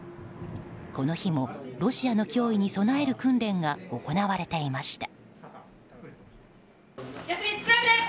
この日もロシアの脅威に備える訓練が行われていました。